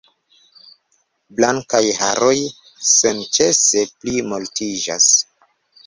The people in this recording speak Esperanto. Blankaj haroj senĉese pli multiĝas.